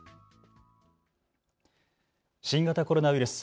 新型コロナウイルス。